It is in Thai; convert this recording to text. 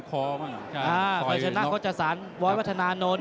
ผมเคยชนะโคชศาสตร์บอกว่าธนานน